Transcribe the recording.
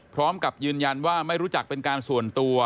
พร้อมกับยืนยันว่าไม่รู้จักเป็นการส่วนตัว